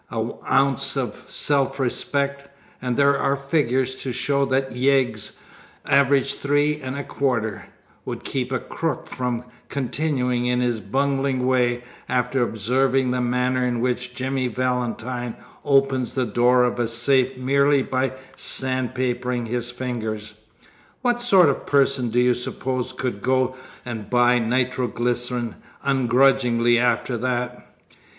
An ounce of self respect and there are figures to show that yeggs average three and a quarter would keep a crook from continuing in his bungling way after observing the manner in which Jimmy Valentine opens the door of a safe merely by sandpapering his fingers. What sort of person do you suppose could go and buy nitroglycerine ungrudgingly after that?